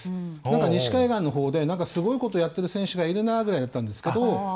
西海岸のほうでなんかすごいことやってる選手がいるなぐらいだったんですけど。